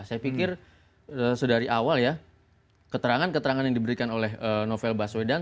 saya pikir sedari awal ya keterangan keterangan yang diberikan oleh novel baswedan